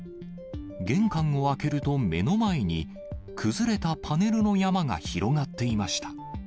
玄関を開けると目の前に、崩れたパネルの山が広がっていました。